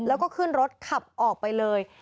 แล้วก็ขึ้นรถขับออกไปเลย